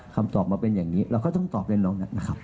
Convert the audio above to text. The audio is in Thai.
คำตอบมาเป็นอย่างนี้เราก็ต้องตอบในนั้นนะครับ